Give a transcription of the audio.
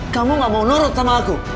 kamu gak mau nurut sama aku